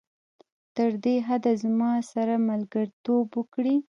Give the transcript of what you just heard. تر دې حده زما سره ملګرتوب وکړي.